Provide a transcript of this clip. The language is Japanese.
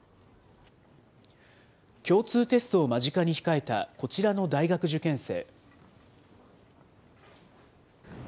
共通テストを間近に控えたこちらの大学受験生。